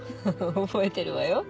覚えてるわよ。